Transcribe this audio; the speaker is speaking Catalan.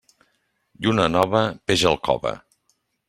Lluna nova, peix al cove.